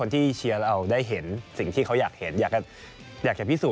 ลิกการ์ดนี่ก็โห